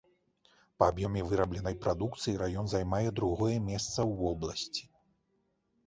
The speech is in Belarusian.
Па аб'ёме вырабленай прадукцыі раён займае другое месца ў вобласці.